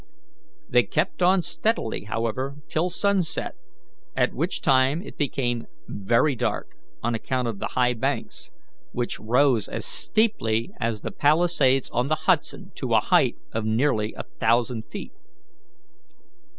They kept on steadily, however, till sunset, at which time it became very dark on account of the high banks, which rose as steeply as the Palisades on the Hudson to a height of nearly a thousand feet.